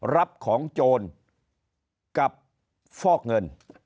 รับของโจรกับฟอกเงิน